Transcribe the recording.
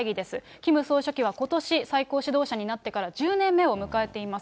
キム総書記はことし、最高指導者になってから１０年目を迎えています。